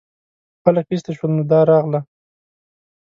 خلک ایسته شول نو دا راغله.